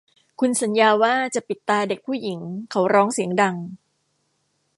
คุณสัญญาว่าจะปิดตาเด็กผู้หญิงเขาร้องเสียงดัง